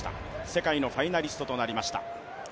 世界のファイナリストとなりました。